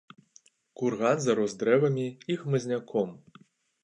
Курган зарос дрэвамі і хмызняком.